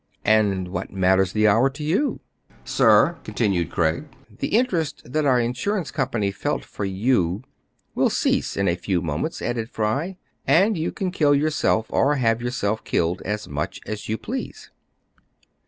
" And what matters the hour to you }"" Sir," continued Craig, " the interest that our insurance company felt for you "—" Will cease in a few moments," added Fry. "And you can kill yourself" —" Or have yourself killed "— "As much as you please